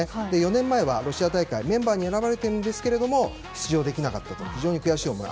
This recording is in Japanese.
４年前はロシア大会でメンバーに選ばれているんですが出場できなかったという非常に悔しい思い。